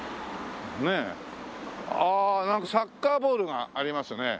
ああなんかサッカーボールがありますね。